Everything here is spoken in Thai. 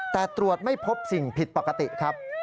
แต่ตรวจไม่พบสิ่งผิดปกติครับ